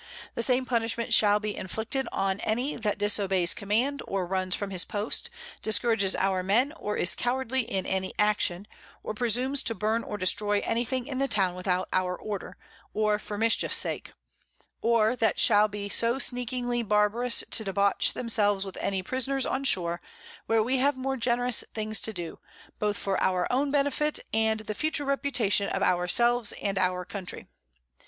The same Punishment shall be inflicted on any that disobeys Command, or runs from his Post, discourages our Men, or is cowardly in any Action, or presumes to burn or destroy any thing in the Town without our Order, or for mischief sake; or that shall be so sneakingly barbarous to debauch themselves with any Prisoners on shore, where we have more generous things to do, both for our own Benefit and the future Reputation of our selves and our Country.